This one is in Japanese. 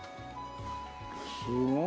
すごい。